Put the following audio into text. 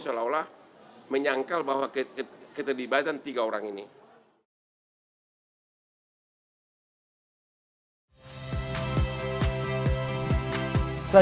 tapi kemudian kok bisa bap di bap berikutnya